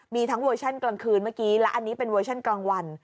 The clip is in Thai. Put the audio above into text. มีทั้งเวอร์ชันกลางคืนเมื่อกี้และอันนี้เป็นเวอร์ชันกลางวัน